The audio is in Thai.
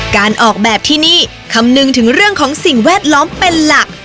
การออกแบบที่นี่คำนึงถึงเรื่องของสิ่งแวดล้อมเป็นหลัก